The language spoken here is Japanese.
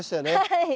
はい。